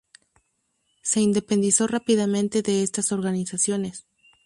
Se independizó rápidamente de estas organizaciones.